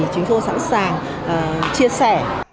chúng tôi sẵn sàng chia sẻ